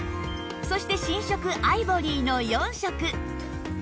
そして新色アイボリーの４色